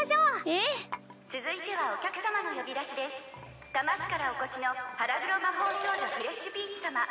ええ続いてはお客様の呼び出しです多魔市からお越しの腹黒魔法少女フレッシュピーチ様